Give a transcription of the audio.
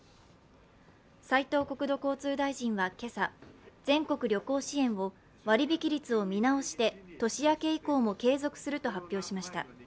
斉藤国土交通大臣は今朝、全国旅行支援を割引率を見直して、年明け以降も継続すると発表しました。